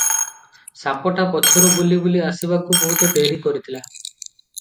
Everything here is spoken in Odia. ସାପଟା ପଛରୁ ବୁଲି ବୁଲି ଆସିବାକୁ ବହୁତ ଡେରି କରିଥିଲା ।